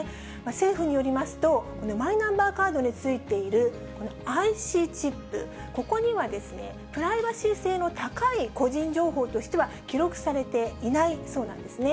政府によりますと、マイナンバーカードに付いているＩＣチップ、ここにはプライバシー性の高い個人情報としては記録されていないそうなんですね。